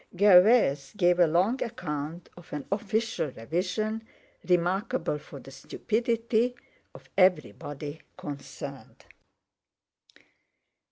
Gervais gave a long account of an official revision, remarkable for the stupidity of everybody concerned.